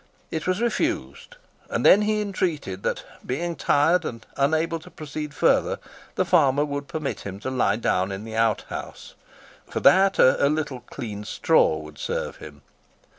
It was refused, and then he entreated that, being tired, and unable to proceed further, the farmer would permit him to lie down in the outhouse, for that a little clean straw would serve him.